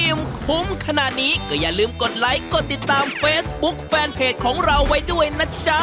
คุ้มขนาดนี้ก็อย่าลืมกดไลค์กดติดตามเฟซบุ๊กแฟนเพจของเราไว้ด้วยนะจ๊ะ